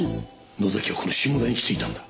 野崎はこの下田に来ていたんだ。